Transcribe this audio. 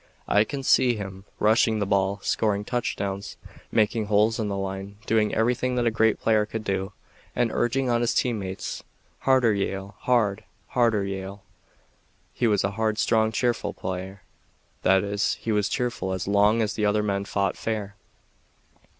I can see him rushing the ball, scoring touchdowns, making holes in the line, doing everything that a great player could do, and urging on his team mates: "Harder, Yale; hard, harder, Yale." He was a hard, strong, cheerful player; that is, he was cheerful as long as the other men fought fair.